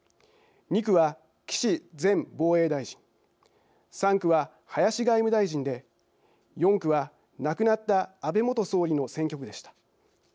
２区は岸前防衛大臣３区は林外務大臣で４区は亡くなった安倍元総理の選挙区でした。